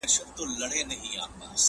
له ګودره یمه ستړی له پېزوانه یمه ستړی،